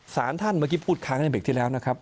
สารท่านเมื่อกี้พูดค้างในเบรกที่แล้วนะครับ